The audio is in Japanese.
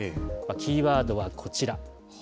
キーワードはこちら。